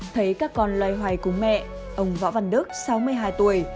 thấy các con loay hoay cùng mẹ ông võ văn đức sáu mươi hai tuổi